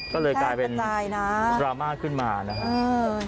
ก็เลยกลายเป็นดราม่าขึ้นมานะครับ